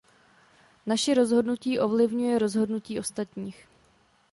Naše rozhodnutí ovlivňuje rozhodnutí ostatních.